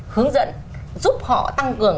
hướng dẫn giúp họ tăng cường